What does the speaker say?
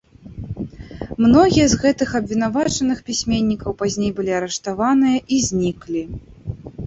Многія з гэтых абвінавачаных пісьменнікаў пазней былі арыштаваныя і зніклі.